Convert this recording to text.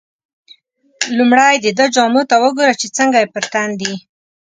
لومړی دده جامو ته وګوره چې څنګه یې پر تن دي.